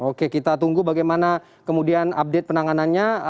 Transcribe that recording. oke kita tunggu bagaimana kemudian update penanganannya